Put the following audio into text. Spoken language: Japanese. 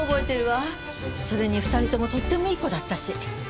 それに２人ともとってもいい子だったし。